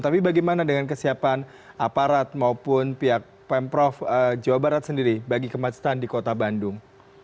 tapi bagaimana dengan kesiapan aparat maupun pihak pemprov jawa barat sendiri bagi kemacetan di kota bandung